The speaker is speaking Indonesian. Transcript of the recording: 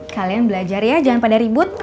kalian belajar ya jangan pada ribut